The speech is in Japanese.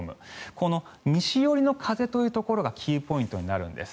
この西寄りの風というのがキーポイントになるんです。